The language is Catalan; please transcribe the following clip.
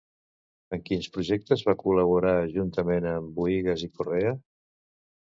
En quins projectes va col·laborar juntament amb Bohigas i Correa?